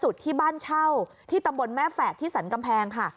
ที่ตำบลแม่แฝกที่สันกำแพง